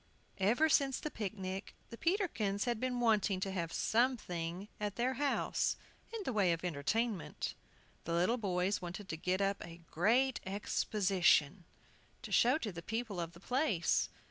EVER since the picnic the Peterkins had been wanting to have "something" at their house in the way of entertainment. The little boys wanted to get up a "great Exposition," to show to the people of the place.